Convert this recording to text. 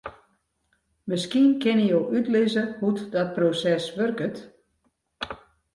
Miskien kinne jo útlizze hoe't dat proses wurket?